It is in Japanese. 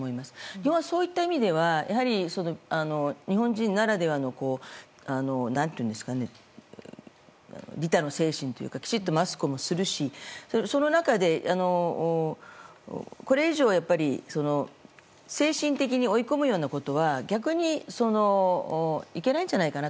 自分はそういった意味では日本人ならではの利他の精神というかきちんとマスクもするしその中で、これ以上精神的に追い込むようなことは逆にいけないんじゃないかな。